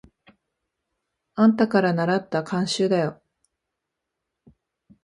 あんたからならった慣習だよ。